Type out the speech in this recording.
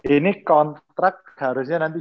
ini kontrak harusnya nanti